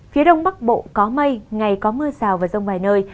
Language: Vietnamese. phía đông bắc bộ có mây ngày có mưa rào và rông vài nơi